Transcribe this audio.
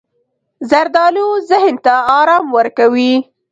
زردالو ذهن ته ارام ورکوي.